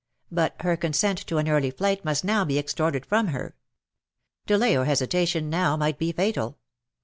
But her consent to an early flight must now be extorted from her. Delay or hesitation now might be fatal.